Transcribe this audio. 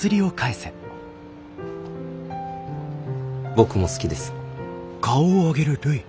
僕も好きです。